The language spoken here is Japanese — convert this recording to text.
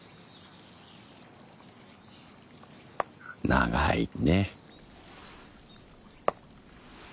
長いね。